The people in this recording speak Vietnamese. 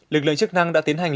lực lượng chức năng đã tiến hành